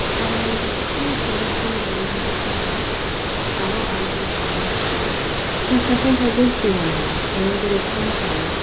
By the way, did you see a silver spoon around here after I left ?" Marlowe eyed him sternly before responding. " Yes, I think I did see one here. Where did it come from